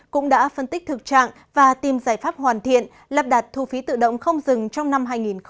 cũng đã phân tích thực trạng và tìm giải pháp hoàn thiện lập đặt thu phí tự động không dừng trong năm hai nghìn hai mươi